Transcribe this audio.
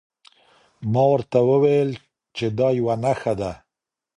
ما ورته وویل چي دا یوه نښه ده.